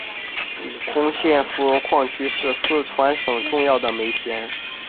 珙县芙蓉矿区是四川省重要的煤田。